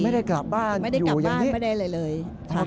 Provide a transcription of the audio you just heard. ไม่ได้กลับบ้านอยู่อย่างนี้ไม่ได้กลับบ้านไม่ได้เลย